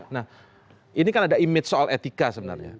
nah ini kan ada image soal etika sebenarnya